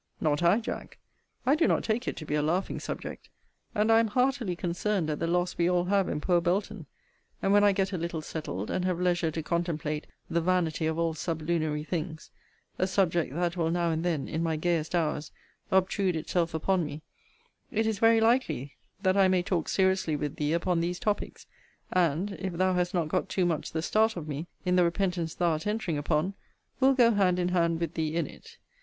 Not I, Jack: I do not take it to be a laughing subject: and I am heartily concerned at the loss we all have in poor Belton: and when I get a little settled, and have leisure to contemplate the vanity of all sublunary things (a subject that will now and then, in my gayest hours, obtrude itself upon me) it is very likely that I may talk seriously with thee upon these topics; and, if thou hast not got too much the start of me in the repentance thou art entering upon, will go hand in hand with thee in it.